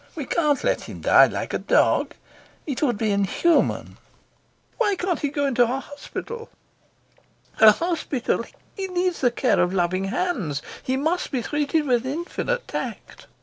We can't let him die like a dog. It would be inhuman." "Why can't he go to a hospital?" "A hospital! He needs the care of loving hands. He must be treated with infinite tact."